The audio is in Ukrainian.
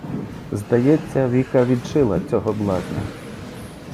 Здається, Віка "відшила" цього блазня.